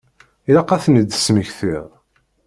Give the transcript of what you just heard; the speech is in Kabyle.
Ilaq ad ten-id-tesmektiḍ.